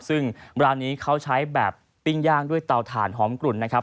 ซึ่งร้านนี้เขาใช้แบบปิ้งย่างด้วยเตาถ่านหอมกลุ่นนะครับ